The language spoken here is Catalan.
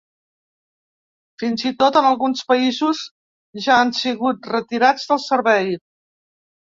Fins i tot, en alguns països ja han sigut retirats del servei.